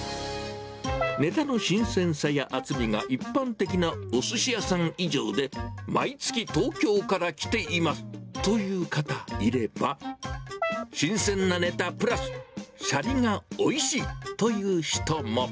ネタの新鮮さや厚みが一般的なおすし屋さん以上で、毎月、東京から来ていますという方いれば、新鮮なネタプラスしゃりがおいしい！という人も。